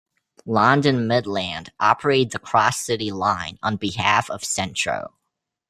London Midland operate the Cross-City line on behalf of Centro.